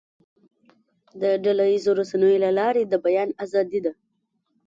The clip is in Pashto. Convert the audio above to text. د ډله ییزو رسنیو له لارې د بیان آزادي ده.